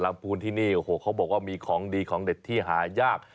ปูนที่นี่โอ้โหเขาบอกว่ามีของดีของเด็ดที่หายาก